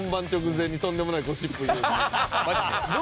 マジで。